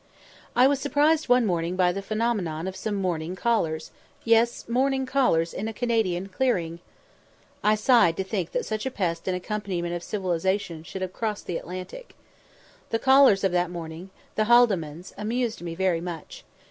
I was surprised one morning by the phenomenon of some morning callers yes, morning callers in a Canadian clearing. I sighed to think that such a pest and accompaniment of civilisation should have crossed the Atlantic. The "callers" of that morning, the Haldimands, amused me very much.